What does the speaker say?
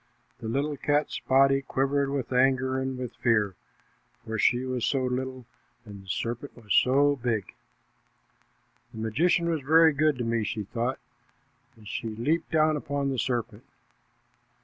The little cat's body quivered with anger and with fear, for she was so little and the serpent was so big. "The magician was very good to me," she thought, and she leaped down upon the serpent.